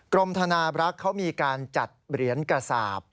กรมธนาบรักษ์เขามีการจัดเหรียญกระสาป